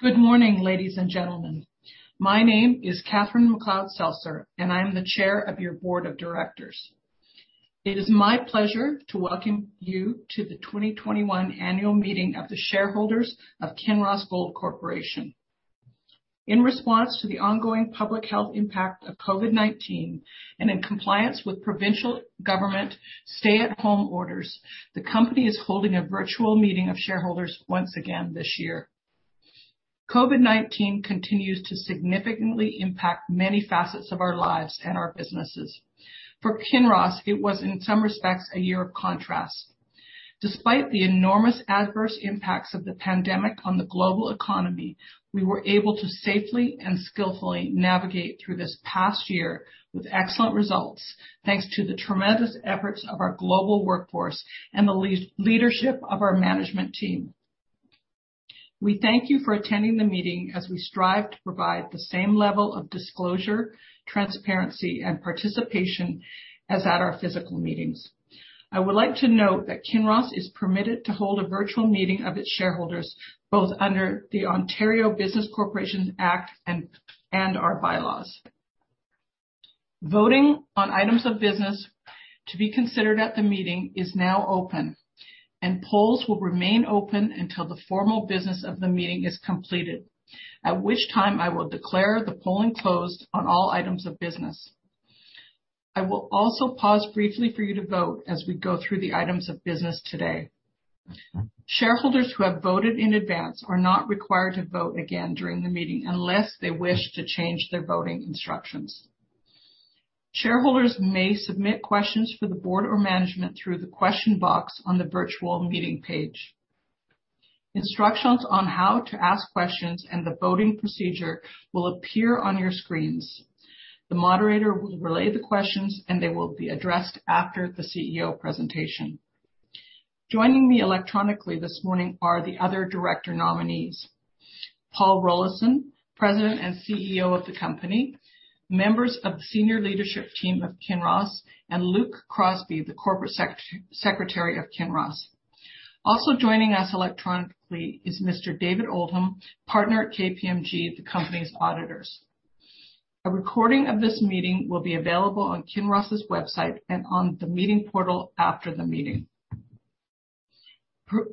Good morning, ladies and gentlemen. My name is Catherine McLeod-Seltzer, and I'm the Chair of your Board of Directors. It is my pleasure to welcome you to the 2021 Annual Meeting of the Shareholders of Kinross Gold Corporation. In response to the ongoing public health impact of COVID-19, and in compliance with provincial government stay-at-home orders, the company is holding a virtual meeting of shareholders once again this year. COVID-19 continues to significantly impact many facets of our lives and our businesses. For Kinross, it was, in some respects, a year of contrasts. Despite the enormous adverse impacts of the pandemic on the global economy, we were able to safely and skillfully navigate through this past year with excellent results, thanks to the tremendous efforts of our global workforce and the leadership of our management team. We thank you for attending the meeting as we strive to provide the same level of disclosure, transparency, and participation as at our physical meetings. I would like to note that Kinross is permitted to hold a virtual meeting of its shareholders, both under the Ontario Business Corporations Act and our bylaws. Voting on items of business to be considered at the meeting is now open, and polls will remain open until the formal business of the meeting is completed, at which time I will declare the polling closed on all items of business. I will also pause briefly for you to vote as we go through the items of business today. Shareholders who have voted in advance are not required to vote again during the meeting unless they wish to change their voting instructions. Shareholders may submit questions for the Board or Management through the question box on the virtual meeting page. Instructions on how to ask questions and the voting procedure will appear on your screens. The moderator will relay the questions, and they will be addressed after the CEO presentation. Joining me electronically this morning are the other Director nominees, Paul Rollinson, President and CEO of the company, members of the senior leadership team of Kinross, and Luke Crosby, the Corporate Secretary of Kinross. Also joining us electronically is Mr. David Oldham, Partner at KPMG, the company's Auditors. A recording of this meeting will be available on Kinross's website and on the meeting portal after the meeting.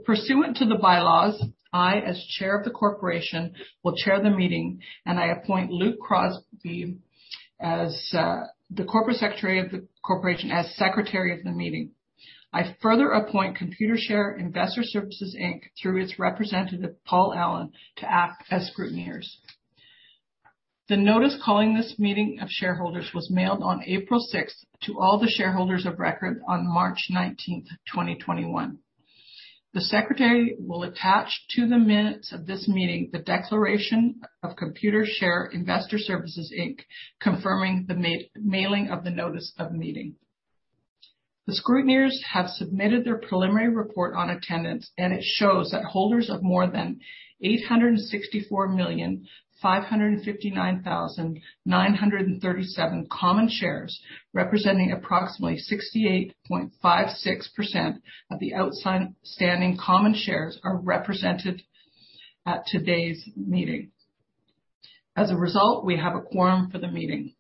Pursuant to the bylaws, I, as Chair of the corporation, will chair the meeting, and I appoint Luke Crosby, the Corporate Secretary of the corporation, as Secretary of the meeting. I further appoint Computershare Investor Services Inc, through its representative, Paul Allen, to act as Scrutineers. The notice calling this meeting of shareholders was mailed on April 6th to all the shareholders of record on March 19th, 2021. The Secretary will attach to the minutes of this meeting the declaration of Computershare Investor Services Inc, confirming the mailing of the notice of meeting. The Scrutineers have submitted their preliminary report on attendance, and it shows that holders of more than 864,559,937 common shares, representing approximately 68.56% of the outstanding common shares, are represented at today's meeting. As a result, we have a quorum for the meeting.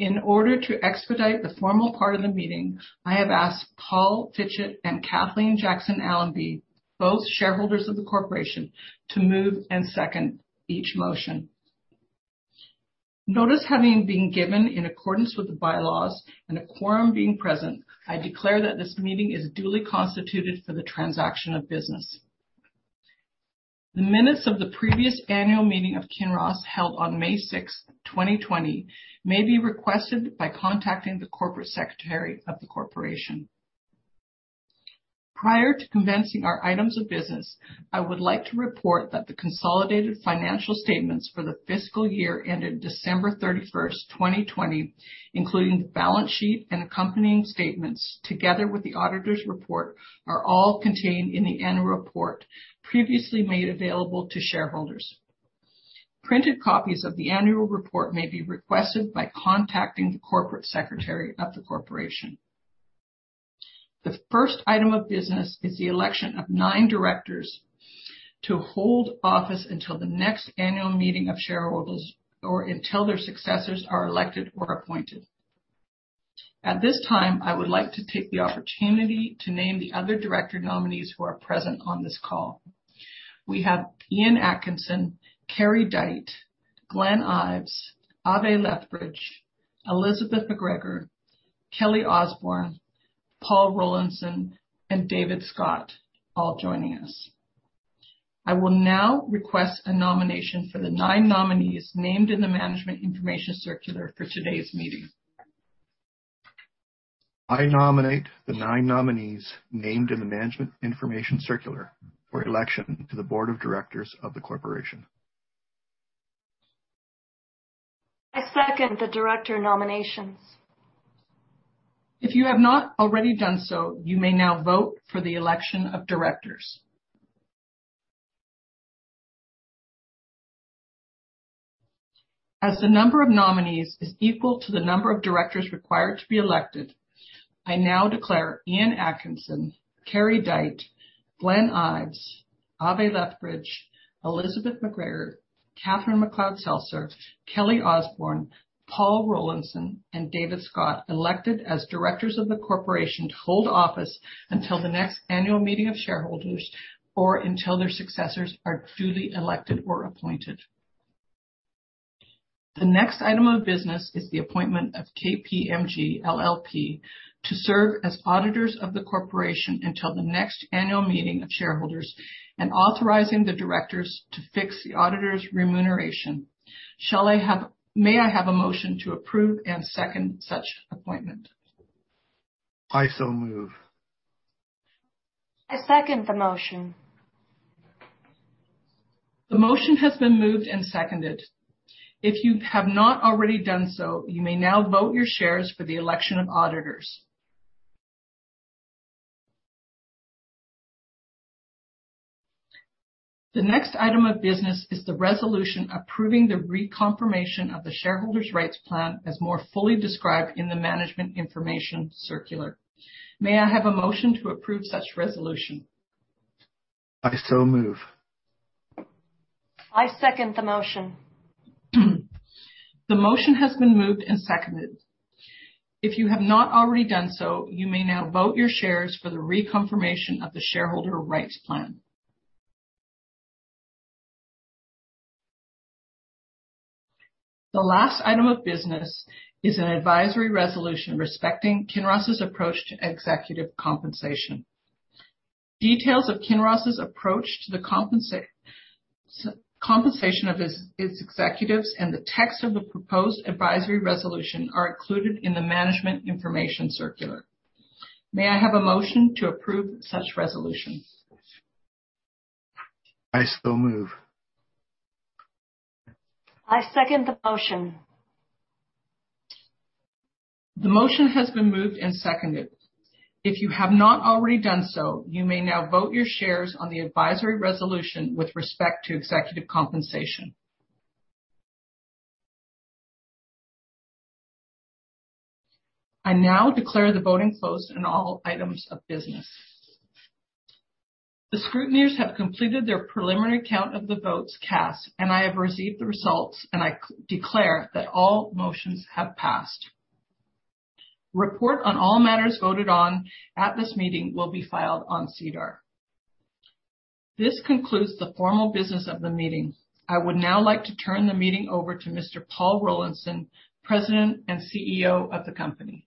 In order to expedite the formal part of the meeting, I have asked Paul Fitchett and Kathleen Jackson Allamby, both shareholders of the Corporation, to move and second each motion. Notice having been given in accordance with the bylaws and a quorum being present, I declare that this meeting is duly constituted for the transaction of business. The minutes of the previous annual meeting of Kinross, held on May 6th, 2020, may be requested by contacting the Corporate Secretary of the Corporation. Prior to commencing our items of business, I would like to report that the consolidated financial statements for the fiscal year ended December 31st, 2020, including the balance sheet and accompanying statements, together with the auditor's report, are all contained in the annual report previously made available to shareholders. Printed copies of the annual report may be requested by contacting the Corporate Secretary of the Corporation. The first item of business is the election of nine Directors to hold office until the next annual meeting of shareholders or until their successors are elected or appointed. At this time, I would like to take the opportunity to name the other Director nominees who are present on this call. We have Ian Atkinson, Kerry Dyte, Glenn Ives, Ave Lethbridge, Elizabeth McGregor, Kelly Osborne, Paul Rollinson, and David Scott all joining us. I will now request a nomination for the nine nominees named in the management information circular for today's meeting. I nominate the nine nominees named in the management information circular for election to the Board of Directors of the corporation. I second the Director nominations. If you have not already done so, you may now vote for the election of Directors. As the number of nominees is equal to the number of Directors required to be elected, I now declare Ian Atkinson, Kerry Dyte, Glenn Ives, Ave Lethbridge, Elizabeth McGregor, Catherine McLeod-Seltzer, Kelly Osborne, Paul Rollinson, and David Scott elected as Directors of the corporation to hold office until the next annual meeting of shareholders, or until their successors are duly elected or appointed. The next item of business is the appointment of KPMG LLP to serve as Auditors of the corporation until the next annual meeting of shareholders, and authorizing the Directors to fix the auditors' remuneration. May I have a motion to approve and second such appointment? I so move. I second the motion. The motion has been moved and seconded. If you have not already done so, you may now vote your shares for the election of auditors. The next item of business is the resolution approving the reconfirmation of the shareholders' rights plan as more fully described in the management information circular. May I have a motion to approve such resolution? I so move. I second the motion. The motion has been moved and seconded. If you have not already done so, you may now vote your shares for the reconfirmation of the shareholder rights plan. The last item of business is an advisory resolution respecting Kinross's approach to executive compensation. Details of Kinross's approach to the compensation of its executives and the text of the proposed advisory resolution are included in the management information circular. May I have a motion to approve such resolution? I so move. I second the motion. The motion has been moved and seconded. If you have not already done so, you may now vote your shares on the advisory resolution with respect to executive compensation. I now declare the voting closed on all items of business. The Scrutineers have completed their preliminary count of the votes cast, and I have received the results, and I declare that all motions have passed. Report on all matters voted on at this meeting will be filed on SEDAR. This concludes the formal business of the meeting. I would now like to turn the meeting over to Mr. Paul Rollinson, President and CEO of the company.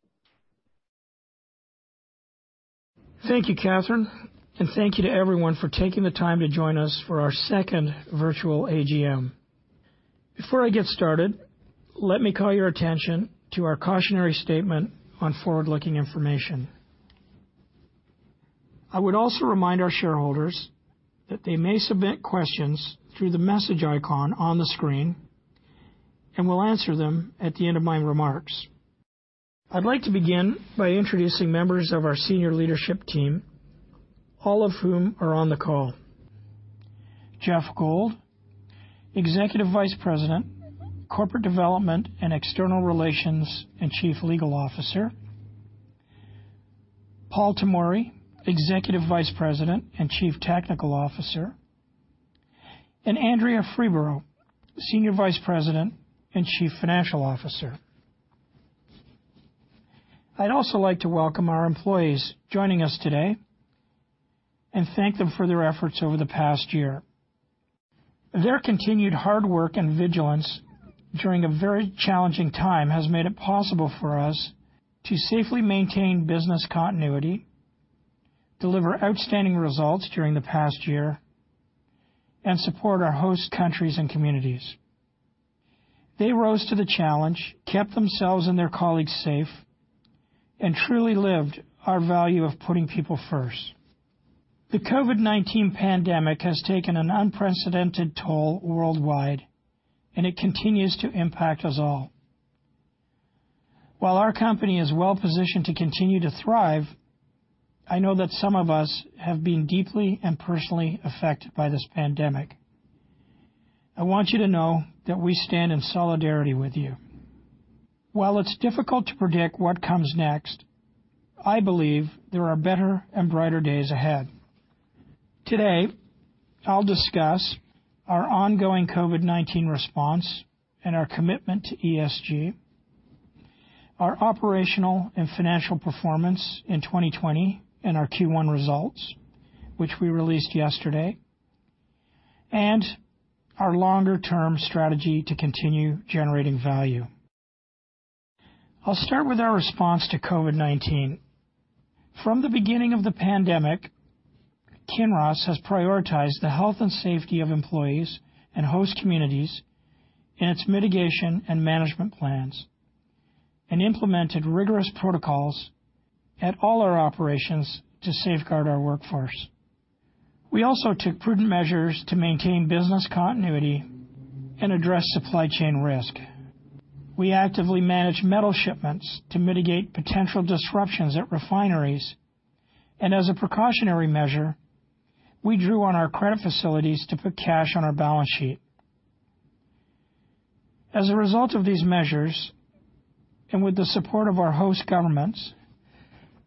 Thank you, Catherine, and thank you to everyone for taking the time to join us for our second virtual AGM. Before I get started, let me call your attention to our cautionary statement on forward-looking information. I would also remind our shareholders that they may submit questions through the message icon on the screen, and we'll answer them at the end of my remarks. I'd like to begin by introducing members of our senior leadership team, all of whom are on the call. Geoffrey Gold, Executive Vice President, Corporate Development and External Relations, and Chief Legal Officer. Paul Tomory, Executive Vice President and Chief Technical Officer. Andrea Freeborough, Senior Vice President and Chief Financial Officer. I'd also like to welcome our employees joining us today, and thank them for their efforts over the past year. Their continued hard work and vigilance during a very challenging time has made it possible for us to safely maintain business continuity, deliver outstanding results during the past year, and support our host countries and communities. They rose to the challenge, kept themselves and their colleagues safe, and truly lived our value of putting people first. The COVID-19 pandemic has taken an unprecedented toll worldwide, and it continues to impact us all. While our company is well-positioned to continue to thrive, I know that some of us have been deeply and personally affected by this pandemic. I want you to know that we stand in solidarity with you. While it's difficult to predict what comes next, I believe there are better and brighter days ahead. Today, I'll discuss our ongoing COVID-19 response and our commitment to ESG, our operational and financial performance in 2020 and our Q1 results, which we released yesterday, and our longer term strategy to continue generating value. I'll start with our response to COVID-19. From the beginning of the pandemic, Kinross has prioritized the health and safety of employees and host communities, and its mitigation and management plans, and implemented rigorous protocols at all our operations to safeguard our workforce. We also took prudent measures to maintain business continuity and address supply chain risk. We actively manage metal shipments to mitigate potential disruptions at refineries. As a precautionary measure we drew on our credit facilities to put cash on our balance sheet. As a result of these measures, and with the support of our host governments,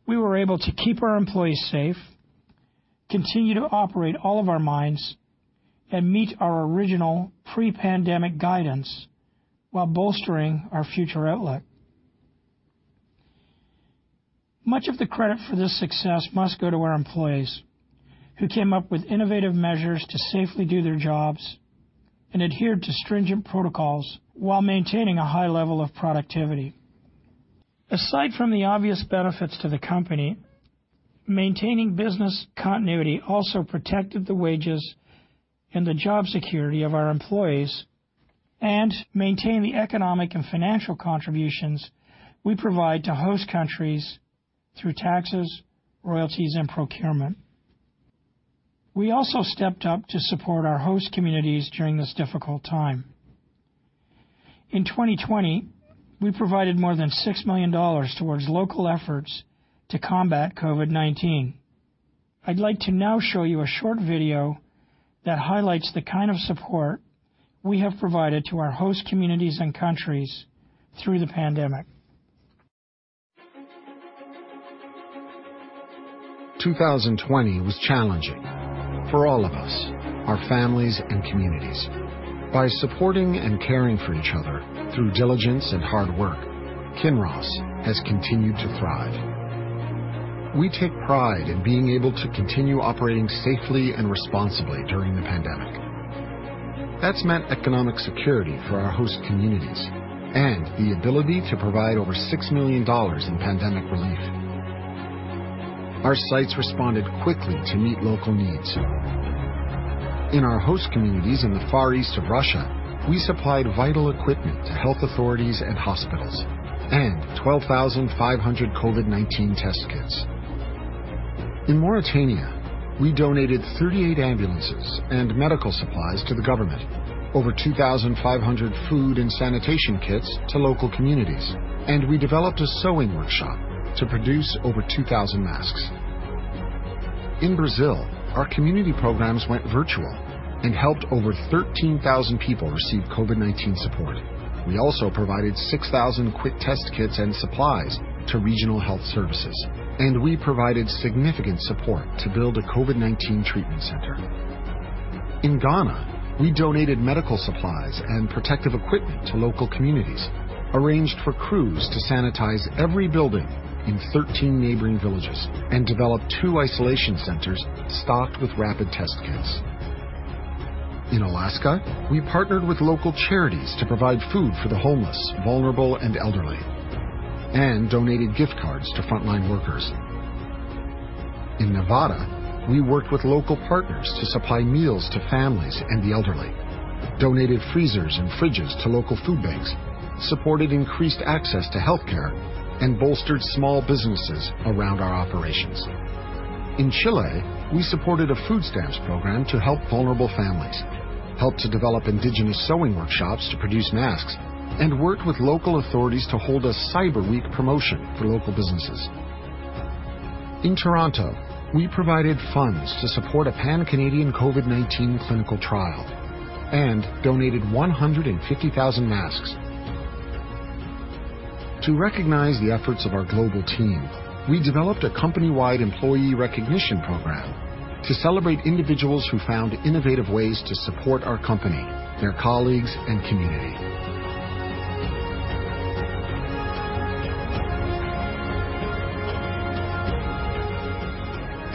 we were able to keep our employees safe, continue to operate all of our mines, and meet our original pre-pandemic guidance while bolstering our future outlook. Much of the credit for this success must go to our employees, who came up with innovative measures to safely do their jobs and adhere to stringent protocols while maintaining a high level of productivity. Aside from the obvious benefits to the company, maintaining business continuity also protected the wages and the job security of our employees and maintain the economic and financial contributions we provide to host countries through taxes, royalties, and procurement. We also stepped up to support our host communities during this difficult time. In 2020, we provided more than $6 million towards local efforts to combat COVID-19. I'd like to now show you a short video that highlights the kind of support we have provided to our host communities and countries through the pandemic. 2020 was challenging for all of us, our families, and communities. By supporting and caring for each other through diligence and hard work, Kinross has continued to thrive. We take pride in being able to continue operating safely and responsibly during the pandemic. That's meant economic security for our host communities and the ability to provide over $6 million in pandemic relief. Our sites responded quickly to meet local needs. In our host communities in the far east of Russia, we supplied vital equipment to health authorities and hospitals and 12,500 COVID-19 test kits. In Mauritania, we donated 38 ambulances and medical supplies to the government, over 2,500 food and sanitation kits to local communities, and we developed a sewing workshop to produce over 2,000 masks. In Brazil, our community programs went virtual and helped over 13,000 people receive COVID-19 support. We also provided 6,000 quick test kits and supplies to regional health services, and we provided significant support to build a COVID-19 treatment center. In Ghana, we donated medical supplies and protective equipment to local communities, arranged for crews to sanitize every building in 13 neighboring villages, and developed two isolation centers stocked with rapid test kits. In Alaska, we partnered with local charities to provide food for the homeless, vulnerable, and elderly, and donated gift cards to frontline workers. In Nevada, we worked with local partners to supply meals to families and the elderly, donated freezers and fridges to local food banks, supported increased access to healthcare, and bolstered small businesses around our operations. In Chile, we supported a food stamps program to help vulnerable families, helped to develop indigenous sewing workshops to produce masks, and worked with local authorities to hold a cyber week promotion for local businesses. In Toronto, we provided funds to support a Pan-Canadian COVID-19 clinical trial and donated 150,000 masks. To recognize the efforts of our global team, we developed a company-wide employee recognition program to celebrate individuals who found innovative ways to support our company, their colleagues, and community.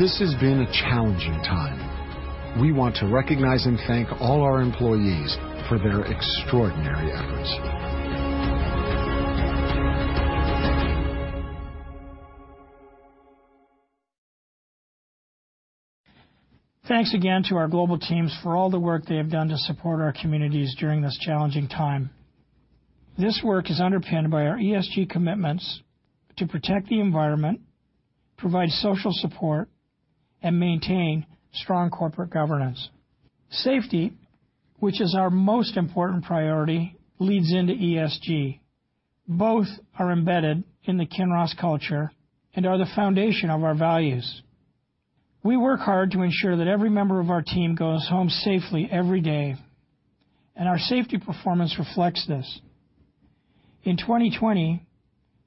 This has been a challenging time. We want to recognize and thank all our employees for their extraordinary efforts. Thanks again to our global teams for all the work they have done to support our communities during this challenging time. This work is underpinned by our ESG commitments to protect the environment, provide social support, and maintain strong corporate governance. Safety, which is our most important priority, leads into ESG. Both are embedded in the Kinross culture and are the foundation of our values. We work hard to ensure that every member of our team goes home safely every day, and our safety performance reflects this. In 2020,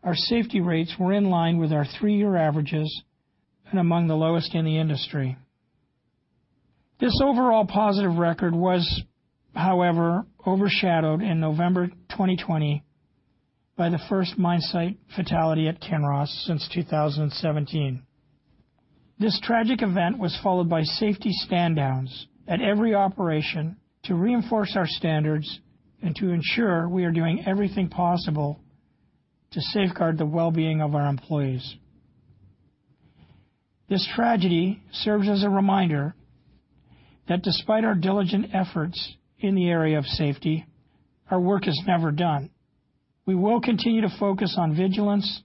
our safety rates were in line with our three-year averages and among the lowest in the industry. This overall positive record was, however, overshadowed in November 2020 by the first mine site fatality at Kinross since 2017. This tragic event was followed by safety standdowns at every operation to reinforce our standards and to ensure we are doing everything possible to safeguard the well-being of our employees. This tragedy serves as a reminder that despite our diligent efforts in the area of safety, our work is never done. We will continue to focus on vigilance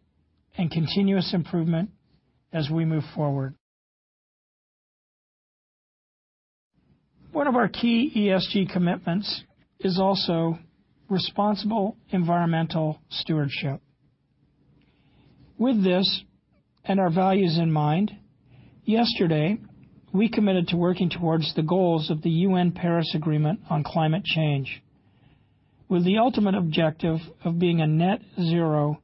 and continuous improvement as we move forward. One of our key ESG commitments is also responsible environmental stewardship. With this and our values in mind, yesterday, we committed to working towards the goals of the UN Paris Agreement on climate change, with the ultimate objective of being a net zero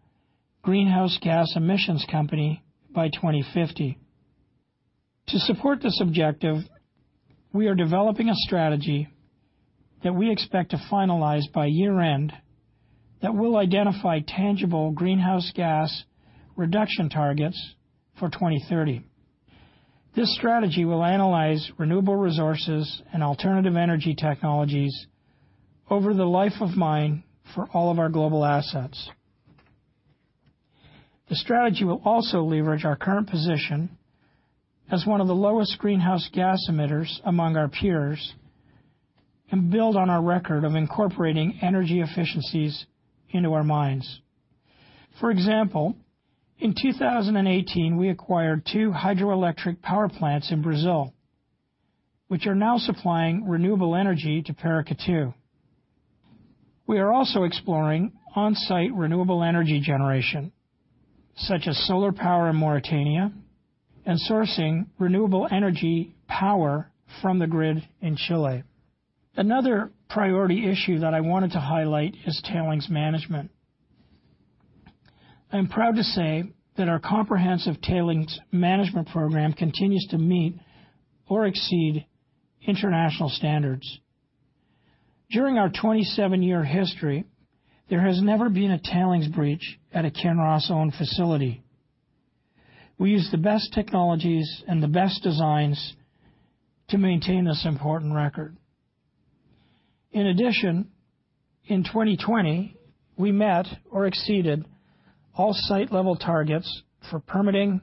greenhouse gas emissions company by 2050. To support this objective, we are developing a strategy that we expect to finalize by year-end that will identify tangible greenhouse gas reduction targets for 2030. This strategy will analyze renewable resources and alternative energy technologies over the life of mine for all of our global assets. The strategy will also leverage our current position as one of the lowest greenhouse gas emitters among our peers and build on our record of incorporating energy efficiencies into our mines. For example, in 2018, we acquired two hydroelectric power plants in Brazil, which are now supplying renewable energy to Paracatu. We are also exploring on-site renewable energy generation, such as solar power in Mauritania, and sourcing renewable energy power from the grid in Chile. Another priority issue that I wanted to highlight is tailings management. I'm proud to say that our comprehensive tailings management program continues to meet or exceed international standards. During our 27-year history, there has never been a tailings breach at a Kinross-owned facility. We use the best technologies and the best designs to maintain this important record. In addition, in 2020, we met or exceeded all site level targets for permitting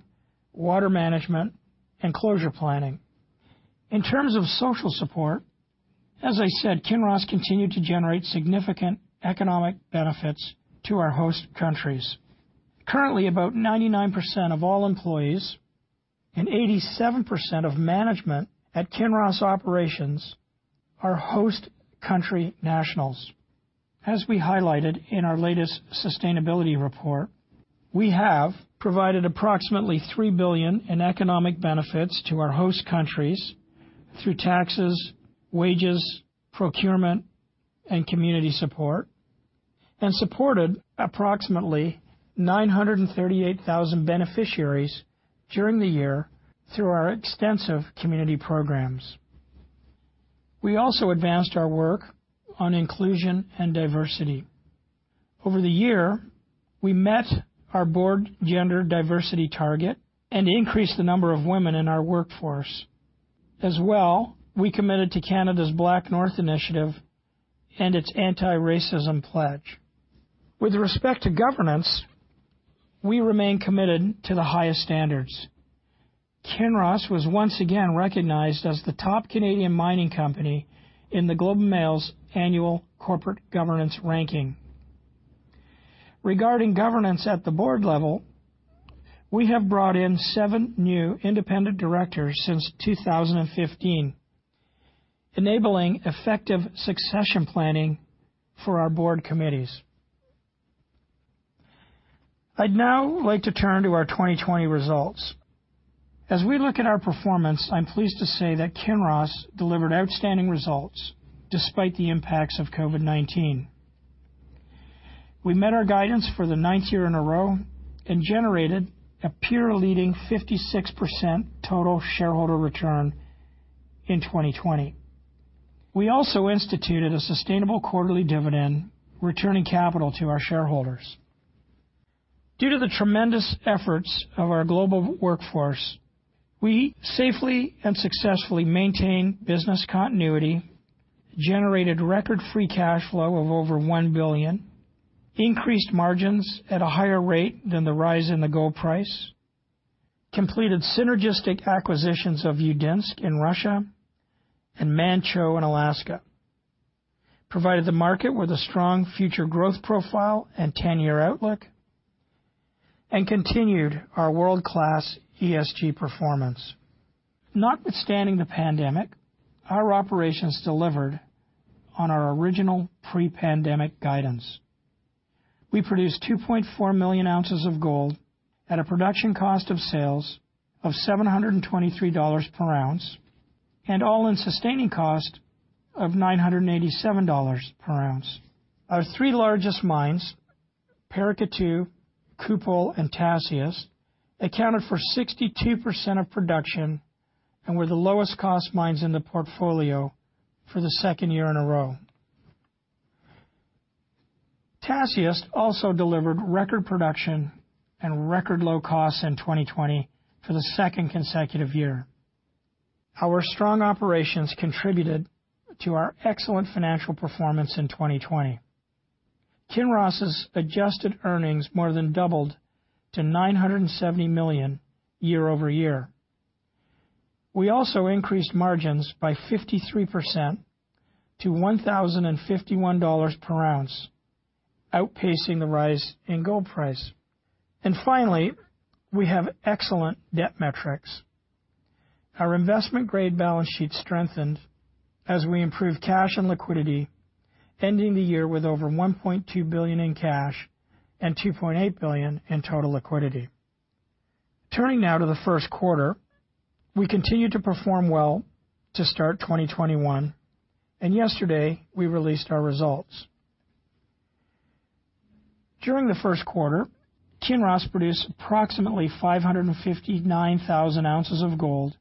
water management and closure planning. In terms of social support, as I said, Kinross continued to generate significant economic benefits to our host countries. Currently, about 99% of all employees and 87% of management at Kinross operations are host country nationals. As we highlighted in our latest sustainability report, we have provided approximately $3 billion in economic benefits to our host countries through taxes, wages, procurement, and community support, and supported approximately 938,000 beneficiaries during the year through our extensive community programs. We also advanced our work on inclusion and diversity. Over the year, we met our Board gender diversity target and increased the number of women in our workforce. We committed to Canada's BlackNorth Initiative and its anti-racism pledge. With respect to governance, we remain committed to the highest standards. Kinross was once again recognized as the top Canadian mining company in The Globe and Mail's annual corporate governance ranking. Regarding governance at the Board level, we have brought in seven new Independent Directors since 2015, enabling effective succession planning for our Board committees. I'd now like to turn to our 2020 results. As we look at our performance, I'm pleased to say that Kinross delivered outstanding results despite the impacts of COVID-19. We met our guidance for the 9th year in a row and generated a peer-leading 56% total shareholder return in 2020. We also instituted a sustainable quarterly dividend, returning capital to our shareholders. Due to the tremendous efforts of our global workforce, we safely and successfully maintained business continuity, generated record free cash flow of over $1 billion, increased margins at a higher rate than the rise in the gold price, completed synergistic acquisitions of Udinsk in Russia and Manh Choh in Alaska, provided the market with a strong future growth profile and 10-year outlook, and continued our world-class ESG performance. Notwithstanding the pandemic, our operations delivered on our original pre-pandemic guidance. We produced 2.4 million ounces of gold at a production cost of sales of $723 per ounce, and all-in sustaining cost of $987 per ounce. Our three largest mines, Paracatu, Kupol, and Tasiast, accounted for 62% of production and were the lowest cost mines in the portfolio for the second year in a row. Tasiast also delivered record production and record low costs in 2020 for the second consecutive year. Our strong operations contributed to our excellent financial performance in 2020. Kinross's adjusted earnings more than doubled to $970 million year-over-year. We also increased margins by 53% to $1,051 per ounce, outpacing the rise in gold price. Finally, we have excellent debt metrics. Our investment-grade balance sheet strengthens as we improve cash and liquidity, ending the year with over $1.2 billion in cash and $2.8 billion in total liquidity. Turning now to the first quarter, we continued to perform well to start 2021, and yesterday we released our results. During the first quarter, Kinross produced approximately 559,000 ounces of gold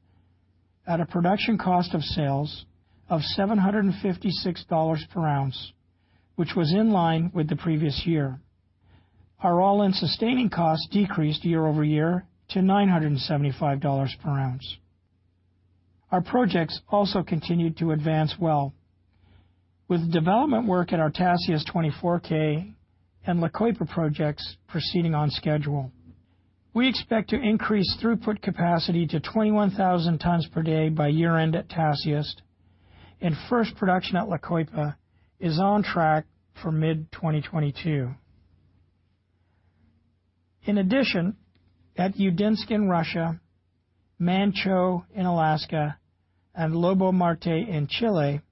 at a production cost of sales of $756 per ounce, which was in line with the previous year. Our all-in sustaining costs decreased year-over-year to $975 per ounce. Our projects also continued to advance well, with development work at our Tasiast 24k and La Coipa projects proceeding on schedule. We expect to increase throughput capacity to 21,000 tons per day by year-end at Tasiast, and first production at La Coipa is on track for mid-2022. In addition, at Udinsk in Russia, Manh Choh in Alaska, and Lobo-Marte in Chile,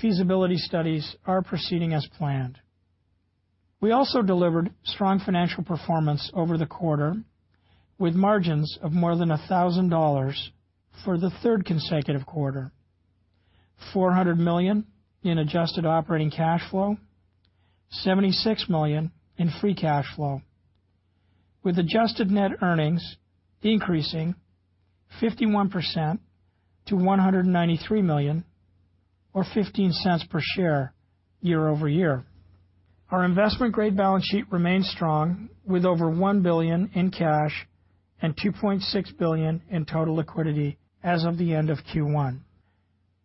feasibility studies are proceeding as planned. We also delivered strong financial performance over the quarter, with margins of more than $1,000 for the third consecutive quarter, $400 million in adjusted operating cash flow, $76 million in free cash flow, with adjusted net earnings increasing 51% to $193 million or $0.15 per share year-over-year. Our investment-grade balance sheet remains strong with over $1 billion in cash and $2.6 billion in total liquidity as of the end of Q1.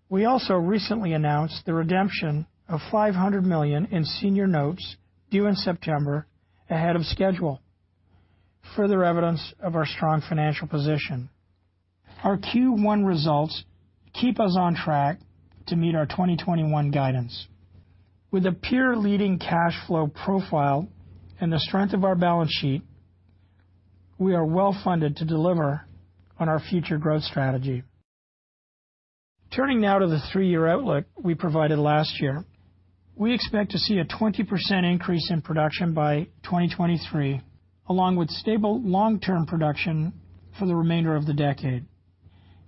We also recently announced the redemption of $500 million in senior notes due in September ahead of schedule, further evidence of our strong financial position. Our Q1 results keep us on track to meet our 2021 guidance. With a peer-leading cash flow profile and the strength of our balance sheet, we are well-funded to deliver on our future growth strategy. Turning now to the three-year outlook we provided last year, we expect to see a 20% increase in production by 2023, along with stable long-term production for the remainder of the decade.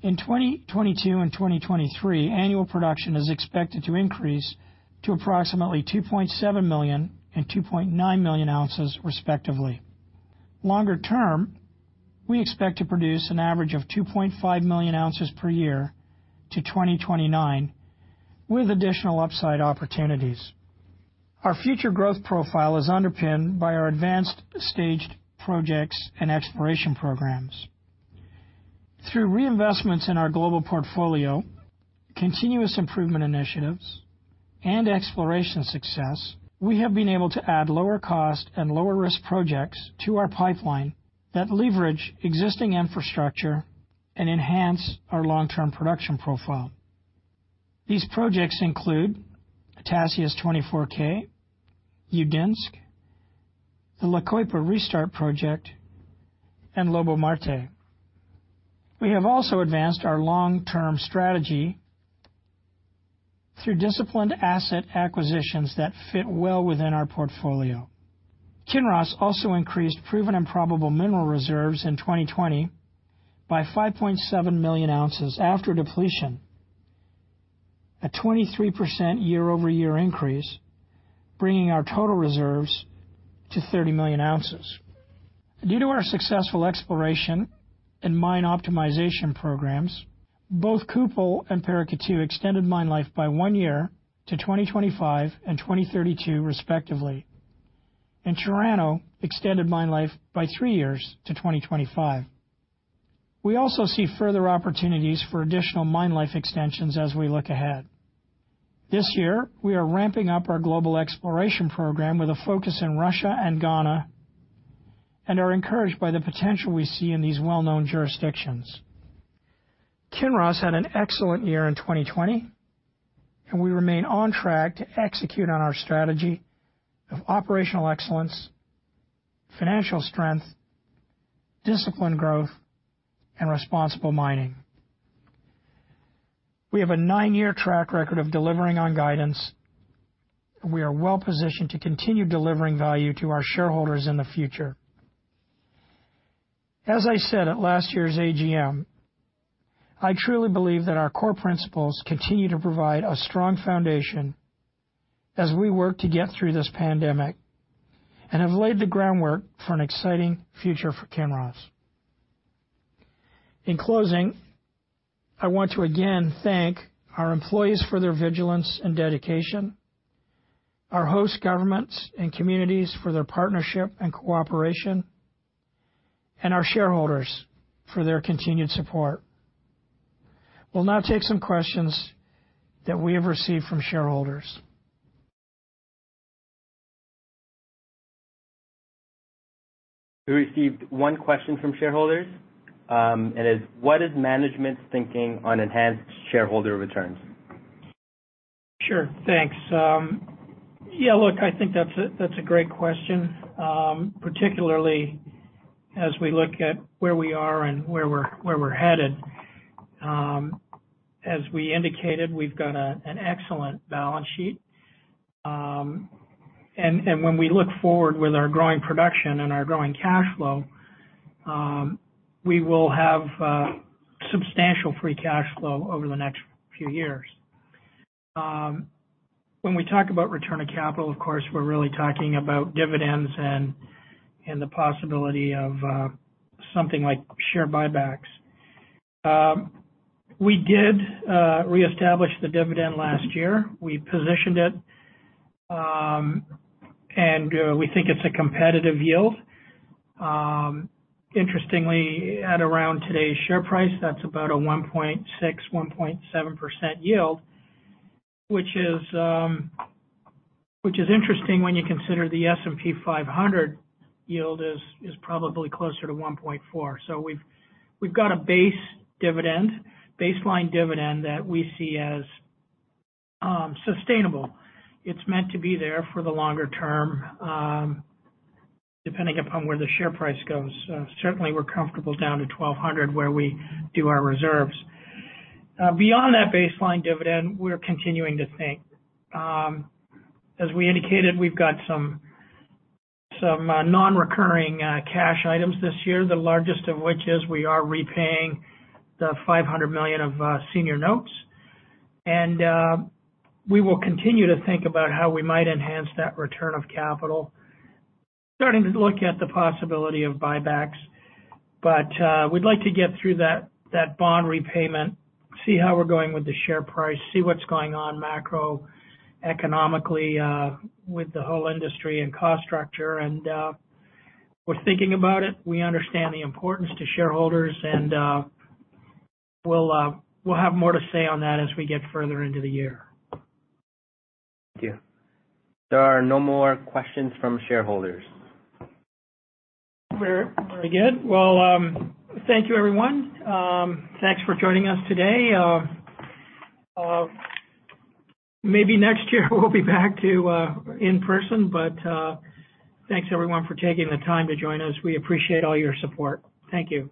In 2022 and 2023, annual production is expected to increase to approximately 2.7 million and 2.9 million ounces respectively. Longer term, we expect to produce an average of 2.5 million ounces per year to 2029, with additional upside opportunities. Our future growth profile is underpinned by our advanced stage projects and exploration programs. Through reinvestments in our global portfolio, continuous improvement initiatives, and exploration success, we have been able to add lower cost and lower risk projects to our pipeline that leverage existing infrastructure and enhance our long-term production profile. These projects include Tasiast 24k, Udinsk, the La Coipa restart project, and Lobo-Marte. We have also advanced our long-term strategy through disciplined asset acquisitions that fit well within our portfolio. Kinross also increased proven and probable mineral reserves in 2020 by 5.7 million ounces after depletion, a 23% year-over-year increase, bringing our total reserves to 30 million ounces. Due to our successful exploration and mine optimization programs, both Kupol and Paracatu extended mine life by one year to 2025 and 2032 respectively, and Chirano extended mine life by three years to 2025. We also see further opportunities for additional mine life extensions as we look ahead. This year, we are ramping up our global exploration program with a focus in Russia and Ghana and are encouraged by the potential we see in these well-known jurisdictions. Kinross had an excellent year in 2020, and we remain on track to execute on our strategy of operational excellence, financial strength, disciplined growth, and responsible mining. We have a nine-year track record of delivering on guidance, and we are well-positioned to continue delivering value to our shareholders in the future. As I said at last year's AGM, I truly believe that our core principles continue to provide a strong foundation as we work to get through this pandemic and have laid the groundwork for an exciting future for Kinross. In closing, I want to again thank our employees for their vigilance and dedication, our host governments and communities for their partnership and cooperation, and our shareholders for their continued support. We'll now take some questions that we have received from shareholders. We received one question from shareholders, and it's: What is management's thinking on enhanced shareholder returns? Sure. Thanks. Yeah, look, I think that's a great question, particularly as we look at where we are and where we're headed. As we indicated, we've got an excellent balance sheet. When we look forward with our growing production and our growing cash flow, we will have substantial free cash flow over the next few years. When we talk about return of capital, of course, we're really talking about dividends and the possibility of something like share buybacks. We did reestablish the dividend last year. We positioned it, and we think it's a competitive yield. Interestingly, at around today's share price, that's about a 1.6%, 1.7% yield, which is interesting when you consider the S&P 500 yield is probably closer to 1.4%. We've got a baseline dividend that we see as sustainable. It's meant to be there for the longer term, depending upon where the share price goes. Certainly, we're comfortable down to $1,200, where we do our reserves. Beyond that baseline dividend, we're continuing to think. As we indicated, we've got some non-recurring cash items this year, the largest of which is we are repaying the $500 million of senior notes. We will continue to think about how we might enhance that return of capital, starting to look at the possibility of buybacks. We'd like to get through that bond repayment, see how we're going with the share price, see what's going on macroeconomically with the whole industry and cost structure. We're thinking about it. We understand the importance to shareholders, and we'll have more to say on that as we get further into the year. Thank you. There are no more questions from shareholders. Very good. Well, thank you, everyone. Thanks for joining us today. Maybe next year we'll be back to in-person, but thanks, everyone, for taking the time to join us. We appreciate all your support. Thank you.